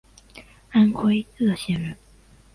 安徽歙县人。